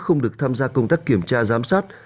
không được tham gia công tác kiểm tra giám sát